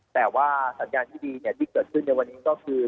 แต่ว่าสัญญาณที่ดีที่เกิดขึ้นในวันนี้ก็คือ